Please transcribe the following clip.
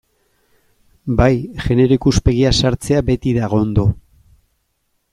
Bai, genero ikuspegia sartzea beti dago ondo.